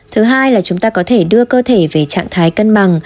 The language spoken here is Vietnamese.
thứ hai là chúng ta có thể đưa cơ thể về trạng thái cân bằng